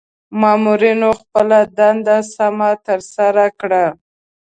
مامورنیو خپله دنده سمه ترسره کړه.